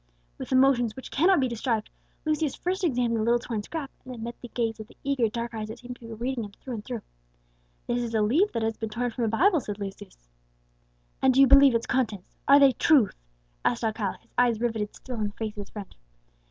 With emotions which cannot be described, Lucius first examined the little torn scrap, and then met the gaze of the eager dark eyes that seemed to be reading him through and through. "This is a leaf that has been torn from a Bible," said Lucius. "And do you believe its contents are they truth?" asked Alcala, his eyes riveted still on the face of his friend.